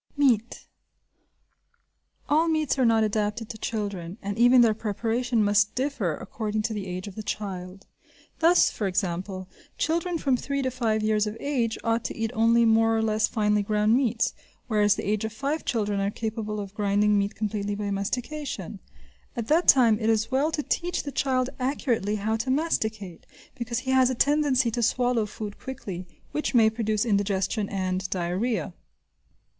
Meat. All meats are not adapted to children, and even their preparation must differ according to the age of the child. Thus, for example, children from three to five years of age ought to eat only more or less finely ground meats, whereas at the age of five children are capable of grinding meat completely by mastication; at that time it is well to teach the child accurately how to masticate because he has a tendency to swallow food quickly, which may produce indigestion and diarrhea.